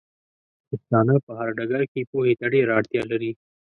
پښتانۀ په هر ډګر کې پوهې ته ډېره اړتيا لري